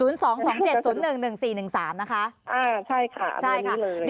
๐๒๒๗๐๑๑๔๑๓นะคะอ่าใช่ค่ะตรงนี้เลย